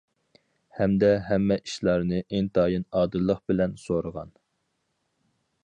ھەمدە ھەممە ئىشلارنى ئىنتايىن ئادىللىق بىلەن سورىغان.